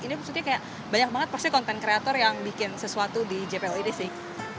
ini maksudnya kayak banyak banget pasti konten kreator yang bikin sesuatu di jpo ini sih